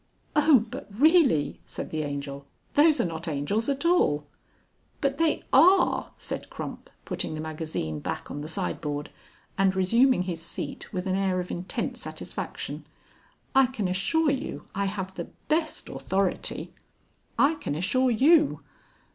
"Oh! but really!" said the Angel, "those are not angels at all." "But they are," said Crump, putting the magazine back on the sideboard and resuming his seat with an air of intense satisfaction. "I can assure you I have the best authority...." "I can assure you...."